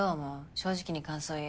正直に感想言えや。